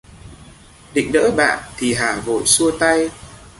Định đỡ bạn thì Hà vội xua tay